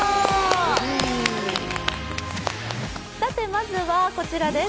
まずは、こちらです。